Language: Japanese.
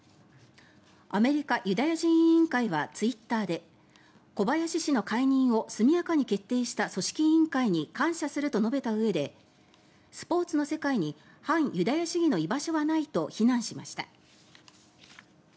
アメリカユダヤ人委員会はツイッターで小林氏の解任を速やかに決定した組織委員会に感謝すると述べたうえでスポーツの世界に反ユダヤ主義の居場所はないと非難しました。